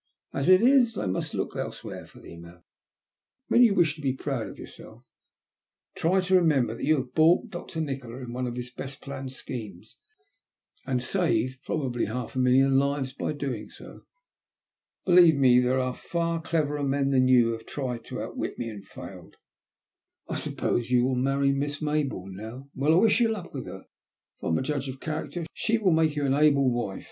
As it is, I must look elsewhere for the amount. When you wish to be proud of yourself, try to remember that you have baulked Dr. Nikola in one of his best planned schemes, and saved probably half a million lives by doing so. Believe mo, there are far cleverer men than you who have tried to outwit me and failed. I suppose you will marry Miss May bourne now. Well, I wish you luck with her. If I am a judge of character, she will make you an able \Nife.